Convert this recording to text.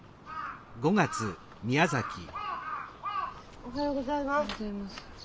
おはようございます。